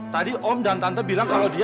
tadi om dan tante bilang kalau dia